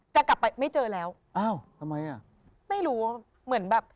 จะกลับไปไม่เจอแล้วอ้าวทำไมอ่ะไม่รู้ว่าเหมือนแบบ